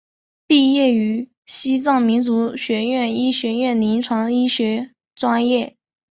毕业于西藏民族学院医学院临床医学专业。